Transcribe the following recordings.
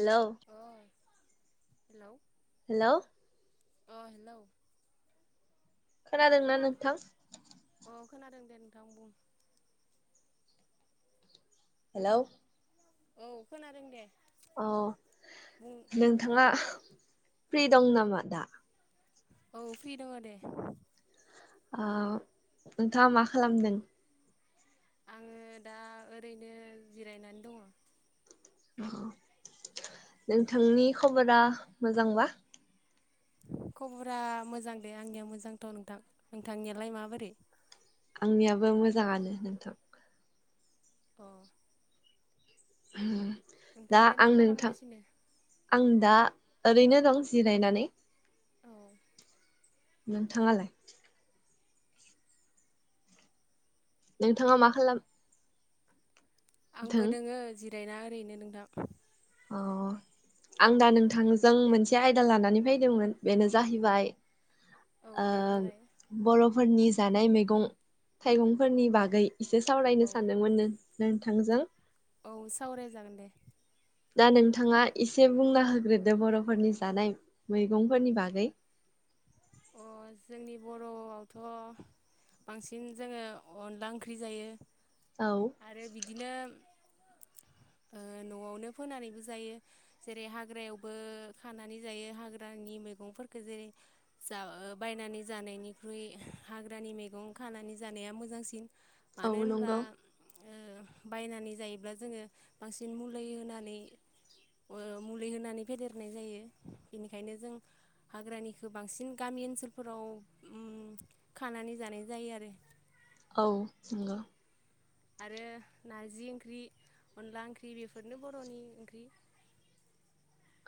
Hello अ hello hello अ hello खोनादों ना नोंथां अ खोनादों दे नोंथां बुं हेलौ औ खोनादों दे बुं औ नोंथांङा प्रि दं नामा दा? औ फ्रि दङ दे। ओ नोंथांङा मा खालामदों? आंङो दा ओरैनो जिरायनानै दङ। नोंथांनि खबरा मोजांबा? खबरा मोजां दे आंनिया मोजांथ' नोंथां, नोंथांनियालाय माबोरै? आंनियाबो मोजाङानो नोंथां। अ [inaudible] दा नोंथाङालाय आं मा नोंथां खालामगासिनो आं दा ओरैनो दं जिरायनानै। औ नोंथांङालाय? नोंथांङा मा खालाम आंबो दोङो जि रायना ओरैनो नोंथां अ आं दा नोंथांजों मोनसे आयदा लानानै फायदोंमोन बेनो जाहैबाय औ ओ दे बुंलाय बरफ फोरनि जानाय मैगं थाइगंफोरनि बागै एसे औ सावरायनो सानदोंमोन नों नों थांजों औ सावराय जागोन दे। दा नोंथांङा एसे बुंना होग्रोदो बर'फोरनि जानाय मैगंफोरनि बागै अ जोंनि बर'आवथ' बांसिन जोंङो अनला ओंख्रि जायो। औ आरो बिदिनो ओ न'आवनो फोनानैबो जायो जेरै हाग्रायावबो खानानै जायो हाग्रानि मैगंफोरखो जेरै जा बायनानै जानायनिख्रुइ हाग्रानि मैगं खानानै जानाया मोजांसिन। औ मानो होनोबा नंगौ ओ बायनानै जायोब्ला जोंङो बांसिन मुलै होनानै मुलै ओ होनानै फेदेरनाय जायो बेनिखायनो जों हाग्रानिखो बांसिन गामि ओनसोलफोराव उम्म खानानै जानाय जायो आरो। औ नोंगौ। आरो नारजि ओंख्रि, अनला ओंख्रि बेफोरनो बर'नि ओंख्रि।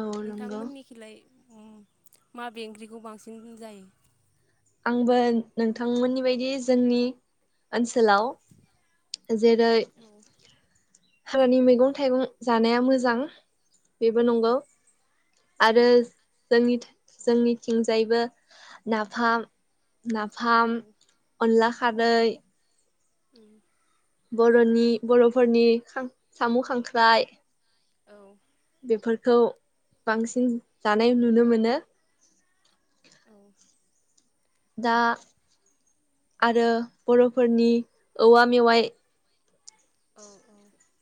औ नंगौ नोंथांमोननिखिलाय? उम्म माबे ओंख्रिखौ बांसिन जायो? आंबो नोंथांमोननि बायदि जोंनि ओनसोलाव जेरै औ हाग्रानि मैगं थाइगं जानाया मोजां बेबो नंगौ आरो जोंनि जोंनिथिंजायबो नाफाम नाफाम उम अनला खारदै उम। बर'नि बर'फोरनि साम', खांख्राइ औ। बेफोरखौ बांसिन जानाय नुनो मोनो औ। दा आरो बर'फोरनि औवा मेवाइ औ औ।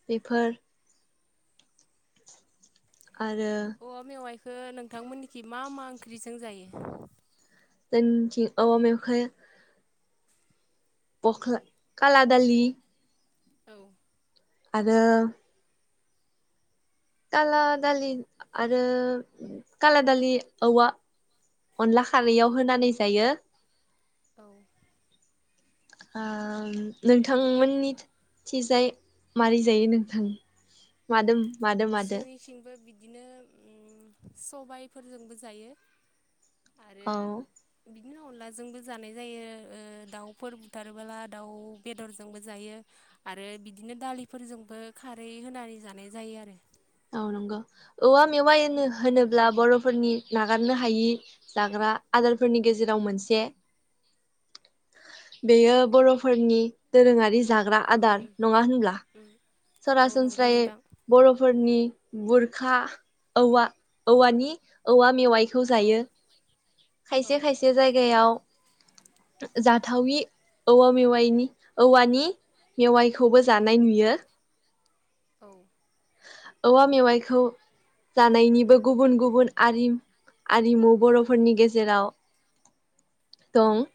बेफोर आरो ओ नोंथांमोननिखि मा मा ओंख्रिजों जायो? जोंनिथिं औवा मेवाइखो पख्ला कला दालि औ। आरो काला दालि आरो काला दालि औवा अनला खारैयाव होनानै जायो औ। आम नोंथांमोननि थिजाय मारै जायो नोंथां मादों जोंनिसिंबो बिदि बिदिनो ओम सबायफोरजोंबो जायो आरो औ बि बिदिनो अनलाजोंबो जानाय ओ जायो दाउफोर बुथारबोला दाउ बेदरजोंबो जायो आरो बिदिनो दालिफोरजोंबो खारै होनानै जानाय जायो आरो औ नंगौ औवा मेवाइ होनोब्ला बर'फोरनि नागारनो हायै जाग्रा आदार फोरनि गेजेराव मोनसे बेयो बर'फोरनि दोरोङारि जाग्रा आदार उम नङा होनब्ला? उम औ नंगौ सरासनस्रायै नोंथां बर'फोरनि बुरखा औवा औवानि औवा मेवाइ थखौ औ जायो औ खायसे खायसे जायगायाव जाथावयि औवा मेवाइनि औवानि मेवाइखौबो जानाय नुयो। औ। औवा मेवाइखौ जानायनिबो गुबुन गुबुनआरिम आरिमु बर'फोरनि गेजेराव दं।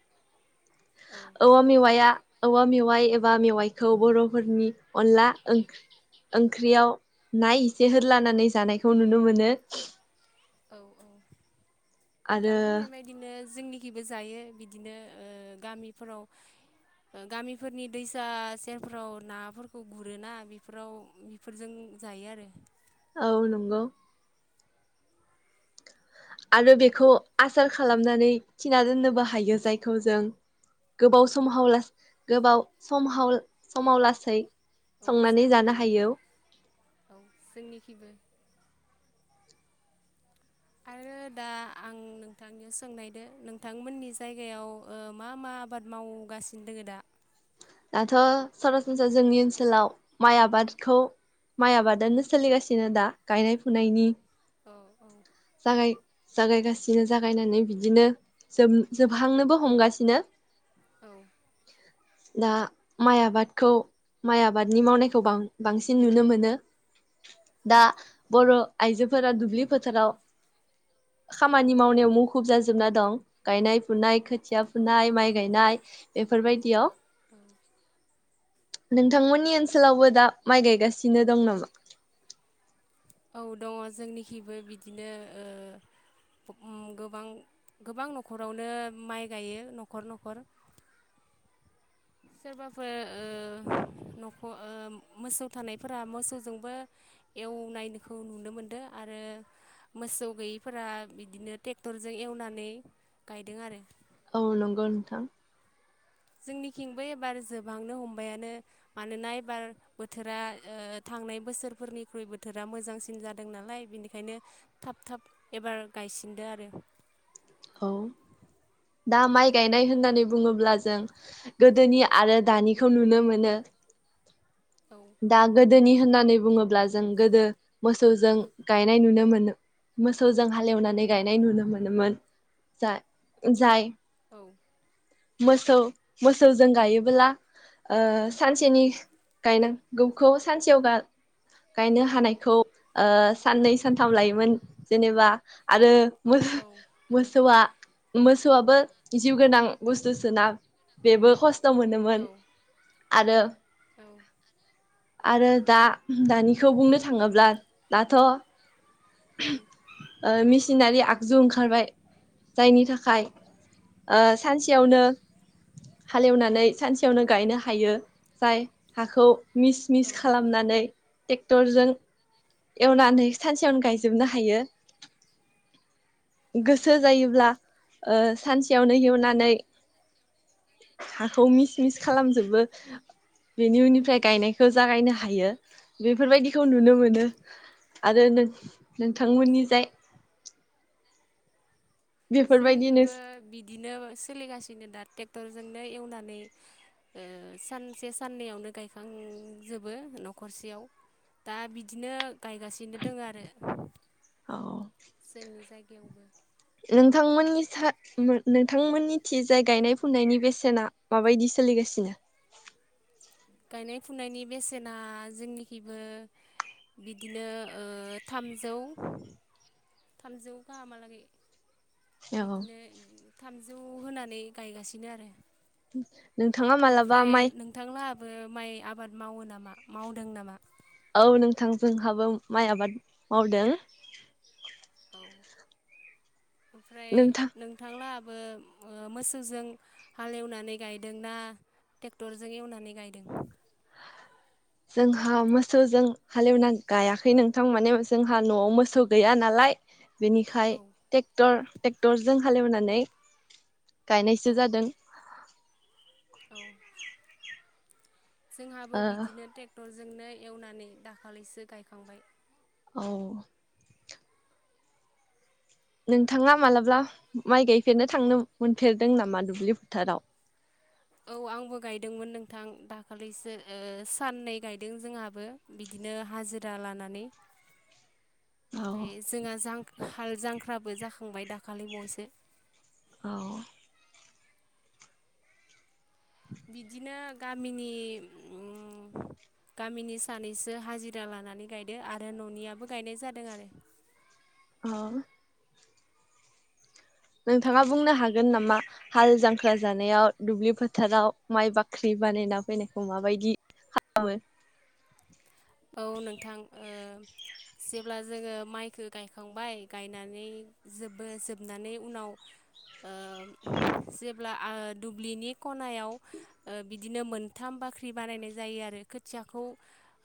औ औवा मेवाइ आ औवा मेवाइ एबा मेवाइखौ बर'फोरनि अनला ओं-ओंख्रियाव ना इसे होलानानै जानायखौ नुनो मोनो। औ औ। नोंथां आरो बुंनाय बायदिनो जोंनिखिबो जायो बिदिनो ओ गामिफोराव गामिफोरनि दैसा सेरफोराव नाफोरखौ गुरोना बेफोराव बेफोरजों जायो आरो औ नोंगौ। आरो बेखौ आसार खालामनानै थिना दोननोबो हायो जायखौ जों गोबाव सम हाव लासै गोबाव सम हाव समाव लासै औ संनानै जानो हायो हायौ। औ जोंनिखिबो आरो दा आं नोंथांनियाव सोंनायदो नोंथांमोननि जायगायाव ओ मा मा आबाद मावगासिनो दोङो दा दाथ' सरासनस्रा जोंनि ओनसोलाव माइ आबादखौ माइ आबादानो सोलिगासिनो दा गायनाय फुनायनि औ औ जागाय जागायगासिनो जागायनानै बिदिनो जोब जोबहांनोबो हमगासिनो औ दा माइ आबादखौ माइ आबादनि मावनायखौ बां बांसिन नुनो मोनो, दा बर' आइजोफोरा दुब बि फोथाराव, औ खामानि मावनायाव मुखुब जाजो जोबना दं गायनाय फुनाय खोथ खोथिया औ फुनाय माइ गायनाय बेफोरबायदि, इयाव नोंथांमोननि ओनसोलावबो दा माइ गायगासिनो दं नामा? औ दङ जोंनिखिबो बिदिनो ओ गोबां गोबां न'खरावनो माइ गायो न'खर न'खर सोरबाफोर ओ न'खर ओ मोसौ थानायफोरा मोसौजोंबो एवनायनोखौ नुनो मोनदों आरो मोसौ गैयैफोरा बिदिनो ट्रेक्टरजों एवनानै गायदों आरो औ नंगौ नोंथां जोंनिथिंबो एबार जोबहांनो हमबायानो मानोना एबार बोथोरा ओ थांनाय बोसोरफोरनिख्रुइ बोथोरा मोजांसिन जादों नालाय बेनिखायनो थाब थाब एबार गायसिनदो आरो औ दा माइ गायनाय होननानै बुङोब्ला जों गोदोनि आरो दानिखौ नुनो मोनो, औ दा गोद गोदोनि होननानै बुङोब्ला जों गोदो मोसौजों गायनाय नुनो मोनो मोसौजों हालेवनानै गायनाय नुनो मोनोमोन, जा जाय औ मोसौ मोसौजों गायोबोला ओ सानसेनि गायनांगौखौ सानसेयाव गा गायनो हानायखौ ओ साननै सानथाम लायोमोन जेनेबा, आरो औ मोस औ मोसौआ मोसौआबो जिउ गोनां, बुस्थु सोना बेबो खस्थ मोनोमोन आरो आरो दा दानिखौ बुंनो थाङोब्ला दाथ', औ ओ मेसिनारि आगजु ओंखारबाय जायनि थाखाय ओ औ सानसेयावनो हालेवनानै सानसेयावनो गायनो हायो जाय हाखौ मिस मिस औ खालामनानै ट्रेक्टरजों एवनानै सानसेयावनो गायजोबनो हायो। गोसो जायोब्ला ओ सानसेयावनो एवना नै हाखौ मिस मिस खालामजोबो बेनि उननिफ्राय, गायनायखौ जागायनो हायो बेफोरबायदि खौ नुनो मोनो आरो नों नोंथांमोननिजाय जोंनिखिबो बिदिनो सोलिगासिनो दा ट्रेक्टर जोंनो एवनानै ओ सानसे साननैयावनो गायखांजोबो नखरसेयाव दा बिदिनो गायगासिनो दङ आरो। औ जोंनि जायगायावबो नोंथांमोननि स नोंथांमोननि थि जाय गायनाय फुनायनि बेसेना माबायदि सोलिगासिनो? गायनाय फुनायनि बेसेना जोंनिखिबो बिदिनो ओ थामजौ थामजौ गाहामालागै औ बिदिनो थाम जौ होनानै गायगासिनो आरो। [inaudible] मालाबा ओमफ्राय माइ नोंथांलाबो माइ आबाद मावो नामा मावदों नामा? औ नोंथां जोंहाबो माइ आबाद मावदों। औ ओमफ्राय नोंथां नोंथांला मो ओ मोसौजों हालेवनानै गायदों ना ट्रेक्टरजों एवनानै गायदों? जोंहा मोसौजों हालेवना गायाखै नोंथां माने जोंहा नआव मोसौ गैया नालाय बेनिखाय औ ट्रेक्टर ट्रेक्टरजों हालेवनानै औ गायनायसो जादों औ ओ जोंहाबो बिदिनो ट्रेक्टर जोंनो एवनानै दाखालिसो गायखांबाय औ नोंथाङा मालाबा माइ गायफेरनो थांनो मोनफेरदों नामा दुब्लि फोथाराव? औ आंबो गायदोंमोन नोंथां दाखालिसो साननै गायदों जोंहाबो बिदिनो हाजिरा लानानै। औ ओमफ्राय जोंहा जां हाल जांख्राबो जाखांबाय दाखालि बावैसो। औ बिदिनो गामिनि गामिनि सानैसो हाजिरा लानानै गायदो आरो ननियाबो गायनाय जादों आरो। अह नोंथाङा बुंनो हागोन नामा हाल जांख्रा जानायाव दुब्लि फोथाराव माइ बाख्रि बानायना फैनायखौ माबायदि खालामो? औ नोंथां ओ जेब्ला जोङो माइखो गायखांबाय गायनानै जोबो जोबनानै उनाव जेब्ला दुब्लिनि खनायाव बि दिनो मोनथाम बाख्रि बानायनाय जायो आरो खोथियाखौ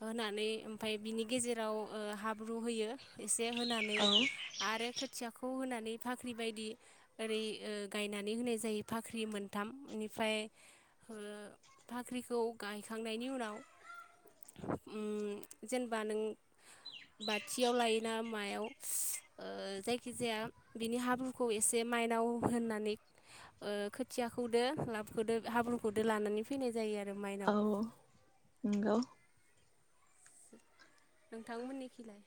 होनानै ओमफ्राय बिनि गेजेराव हाब्रु होयो। जे होनानै खालामो? आरो खोथियाखौ होनानै जेरै फाख्रि बायदि ओरै‌ ओ गायनानै होनाय जायो फाख्रि मोनथाम ओनिफ्राय ओ फाख्रिखौ गायखांनायनि उनाव उम जेनेबा नों बाथियाव लायोना मायाव ओ जायखिजाया बिनि हाब्रुखौ एसे माइनाव होननानै ओ खोथियाखौदो लाबखदो हाब्रुखौदो लानानै फैनाय जायो आरो माइनाव औ नंगौ नोंथांमोननिखैलाय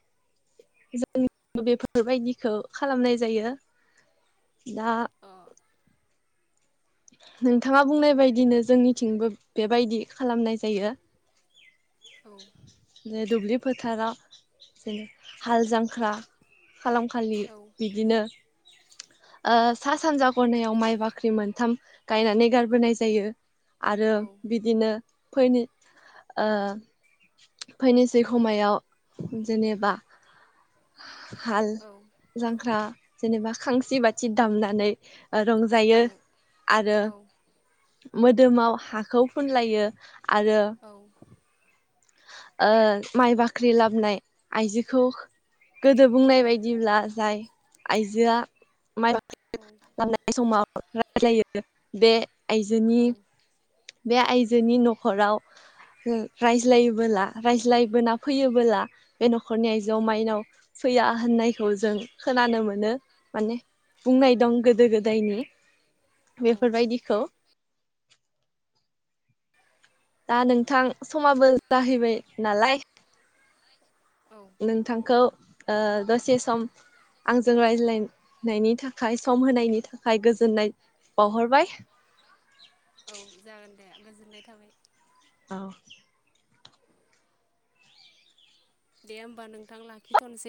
जों बेफोरबायदिखौ खालामनाय जायो। दा अ नोंथाङा बुंनाय बायदिनो जोंनिथिंबो बेबायदि खालामनाय जायो। औ नो दुबलिब फोथाराव जेन हाल जांख्रा। खालाम खालि औ बिदिनो ओ सा सानजा खनायाव माइ बाख्रि मोनथाम गायनानै गारबोनाय जायो। आरो औ बिदिनो फैनि ओ फैनोसै खमायाव जेनेबा हाल औ जांख्रा। जेनेबा खांसि बाथि दामनानै। औ रंजायो आरो औ मोदोमाव हाखौ फुनलायो। आरो औ। ओ माइ बाख्रि लाबोनाय आइजोखौ गोदो बुंनाय बायदिब्ला जाय आइजोआ माइ खालामनाय समाव जायो बे आयजोनि बे आइजोनि नखराव [unintelligible] रायज्लायोबोला रायज्लायोबोना फैयोबोला बे नखरनि आइजोआव माइनाव फैया होननायखौ जों खोनानो मोनो माने। बुंनाय दं गोदो गोदायनि औ बेफोरबायदिखौ। दा नोंथां समाबो जाहैबाय नालाय। औ नोंथांखौ ओ दसे सम आंजों रायज्लायनायनि थाखाय सम होनायनि थाखाय गोजोननाय बावहरबाय। औ जागोन दे गोजोननाय थाबाय। औ। दे होमबा नोंथां लाखिथ'नोसै।